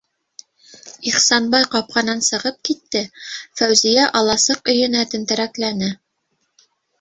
- Ихсанбай ҡапҡанан сығып китте, Фәүзиә аласыҡ- өйөнә тәнтерәкләне...